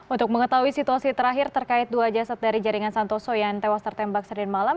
untuk mengetahui situasi terakhir terkait dua jasad dari jaringan santoso yang tewas tertembak senin malam